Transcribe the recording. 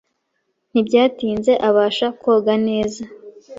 Ntibyatinze abasha koga neza.